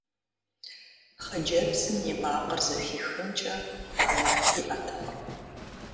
Хъыджэбзым и макъыр зэхихынкӀэ Ӏэмал иӀэтэкъым.